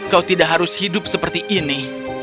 kau tidak harus hidup seperti ini